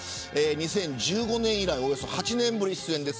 ２０１５年以来およそ８年ぶりの出演です。